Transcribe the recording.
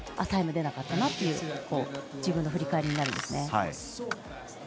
タイムが出なかったなという自分の振り返りになるんですね。